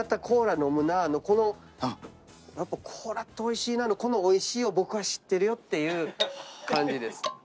コーラ飲むなぁのこのやっぱコーラっておいしいなのこのおいしいを僕は知ってるよという感じです。